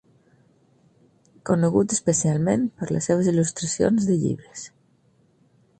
Conegut especialment per les seves il·lustracions de llibres.